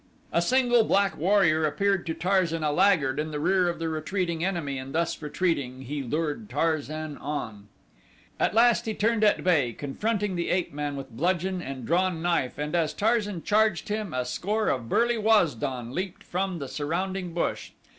A single black warrior appeared to Tarzan a laggard in the rear of the retreating enemy and thus retreating he lured Tarzan on. At last he turned at bay confronting the ape man with bludgeon and drawn knife and as Tarzan charged him a score of burly Waz don leaped from the surrounding brush.